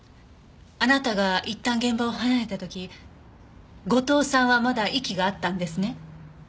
あなたがいったん現場を離れた時後藤さんはまだ息があったんですね？